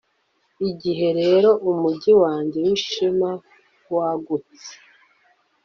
Igihe rero umujyi wanjye wishema wagutse